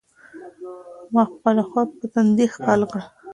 ما خپله خور په تندي ښکل کړه.